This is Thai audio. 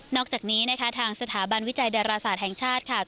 อกจากนี้นะคะทางสถาบันวิจัยดาราศาสตร์แห่งชาติค่ะ